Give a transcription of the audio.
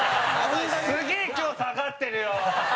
すげえ、今日、下がってるよ。